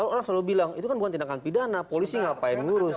orang selalu bilang itu kan bukan tindakan pidana polisi ngapain ngurus